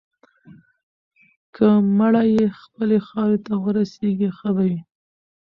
که مړی یې خپلې خاورې ته ورسیږي، ښه به وي.